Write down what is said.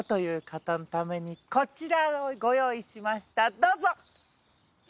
どうぞ！